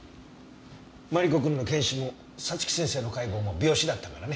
マリコ君の検視も早月先生の解剖も病死だったからね。